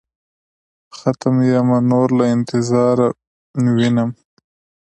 ختم يمه نور له انتظاره وينم.